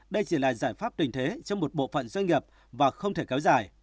đây chỉ là giải pháp tình thế cho một bộ phận doanh nghiệp và không thể kéo dài